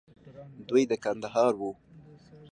دوى د کندهار وو.